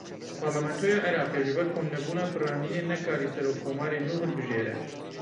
Parlamentoya Iraqê ji ber komnebûna piraniyê nekarî serokkomarê nû hilbijêre.